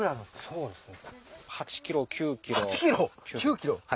そうですね。